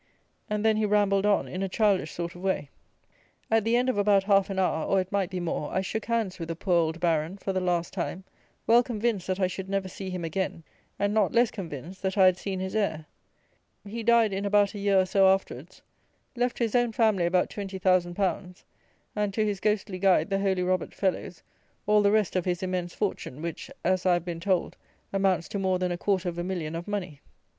And then he rambled on in a childish sort of way. At the end of about half an hour, or, it might be more, I shook hands with the poor old Baron for the last time, well convinced that I should never see him again, and not less convinced, that I had seen his heir. He died in about a year or so afterwards, left to his own family about 20,000_l._, and to his ghostly guide, the Holy Robert Fellowes, all the rest of his immense fortune, which, as I have been told, amounts to more than a quarter of a million of money.